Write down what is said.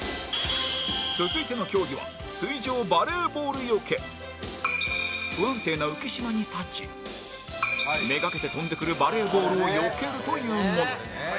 続いての競技は不安定な浮き島に立ち目がけて飛んでくるバレーボールをよけるというもの